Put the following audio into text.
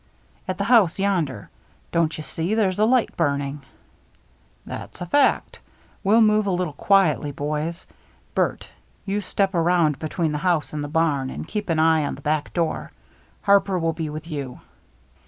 "At the house yonder. Don't you see there's a light burning?" " That's a fact. We'll move a little quietly, boys. Bert, you step around between the X 521 322 THE MERRT ANNE house and the bam and keep an eye on the back door. Harper will be with you."